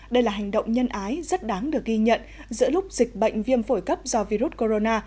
đây là hành động nhân ái rất đáng được ghi nhận giữa lúc dịch bệnh viêm phổi cấp do virus corona